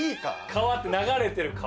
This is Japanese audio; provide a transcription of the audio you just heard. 川ってながれてる川？